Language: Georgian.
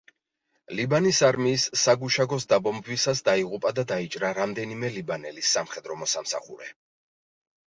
ლიბანის არმიის საგუშაგოს დაბომბვისას დაიღუპა და დაიჭრა რამდენიმე ლიბანელი სამხედრო მოსამსახურე.